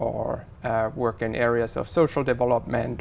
đối với các nước khác không